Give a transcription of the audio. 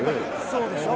そうでしょ？